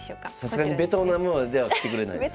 さすがにベトナムまでは来てくれないですね。